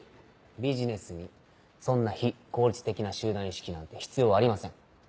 ビジネスにそんな非効率的な集団意識なんて必要ありません。